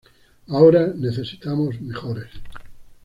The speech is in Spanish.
Ahora, necesitamos mejores".